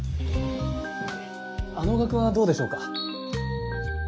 あのがくはどうでしょうか？